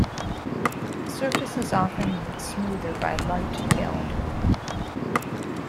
The surface is often made smoother by light calendering.